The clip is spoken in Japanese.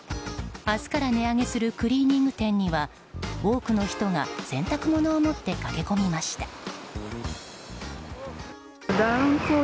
明日から値上げするクリーニング店には多くの人が洗濯物を持って駆け込みました。